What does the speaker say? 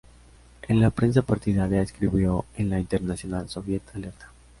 En la prensa partidaria escribió en "La Internacional", "Soviet", "Alerta!